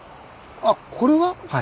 あっこれは？